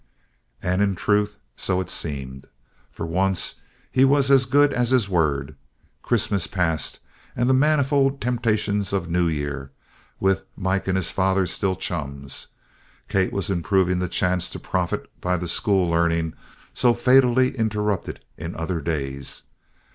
And, in truth, so it seemed. For once he was as good as his word. Christmas passed, and the manifold temptations of New Year, with Mike and his father still chums. Kate was improving the chance to profit by the school learning so fatally interrupted in other days.